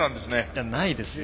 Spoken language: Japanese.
いやないですよ